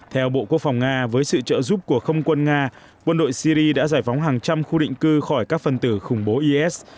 theo bộ quốc phòng nga với sự trợ giúp của không quân nga quân đội syri đã giải phóng hàng trăm khu định cư khỏi các phần tử khủng bố is